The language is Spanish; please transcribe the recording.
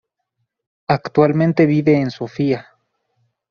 Actualmente vive en Sofía.